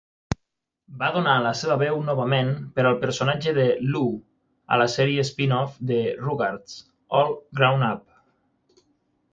Va donar la seva veu novament per al personatge de Lou a la sèrie spin-off de "Rugrats" "All Grown Up!